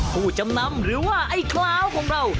ผู้จำนำหรือว่าไอ้คลาวของเรา